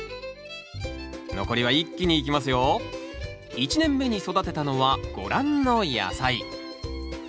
１年目に育てたのはご覧の野菜。